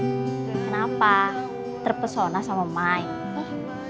kenapa terpesona sama mike